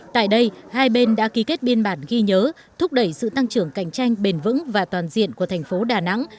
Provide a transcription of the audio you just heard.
tại đây hai bên đã ký kết biên bản ghi nhớ thúc đẩy sự tăng trưởng cạnh tranh bền vững và toàn diện của thành phố đà nẵng